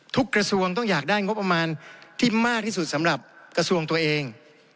กระทรวงต้องอยากได้งบประมาณที่มากที่สุดสำหรับกระทรวงตัวเอง